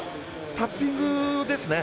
タッピングですね。